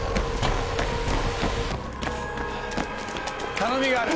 頼みがある。